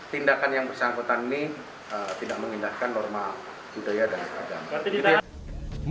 tindakan yang bersangkutan ini tidak mengindahkan norma budaya dan agama